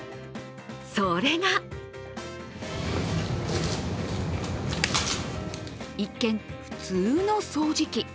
それが一見、普通の掃除機。